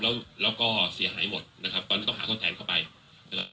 แล้วแล้วก็เสียหายหมดนะครับก็ต้องหาข้อแทนเข้าไปนะครับ